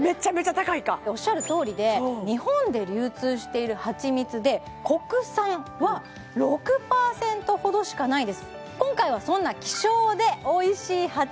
おっしゃるとおりで日本で流通しているはちみつで国産は６％ほどしかないです